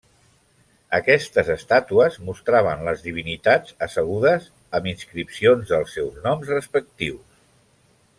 Aquestes estàtues mostraven les divinitats assegudes, amb inscripcions dels seus noms respectius.